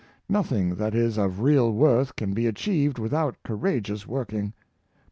Nothing that is of real worth can be achieved with out courageous working.